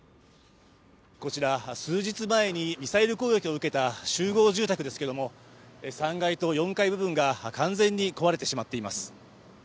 こちら数日前にミサイル高下きを受けた集合住宅ですけど、３回と４階部分が完全に壊れてしまっています。